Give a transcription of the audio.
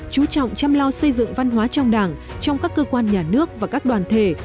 chú trọng chăm lo xây dựng văn hóa trong đảng trong các cơ quan nhà nước và các đoàn thể